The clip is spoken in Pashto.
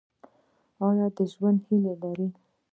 ایا د ژوند هیله لرئ؟